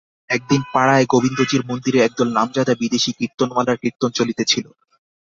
একদিন পাড়ায় গোবিন্দজির মন্দিরে একদল নামজাদা বিদেশী কীর্তনওয়ালার কীর্তন চলিতেছিল।